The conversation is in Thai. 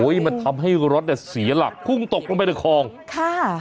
มันทำให้รถเนี่ยเสียหลักพุ่งตกลงไปในคลองค่ะ